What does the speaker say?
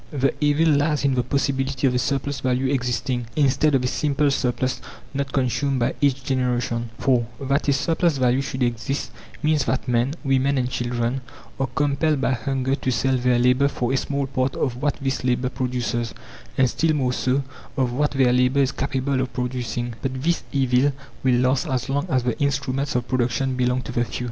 The evil lies in the possibility of a surplus value existing, instead of a simple surplus not consumed by each generation; for, that a surplus value should exist, means that men, women and children are compelled by hunger to sell their labour for a small part of what this labour produces, and still more so, of what their labour is capable of producing: But this evil will last as long as the instruments of production belong to the few.